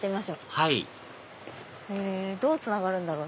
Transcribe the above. はいどうつながるんだろう？